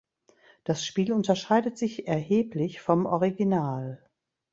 Das Spiel unterscheidet sich erheblich vom Original.